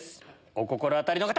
お心当たりの方！